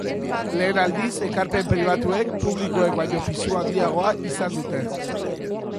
Lehen aldiz, ekarpen pribatuek publikoek baino pisu handiagoa izan dute.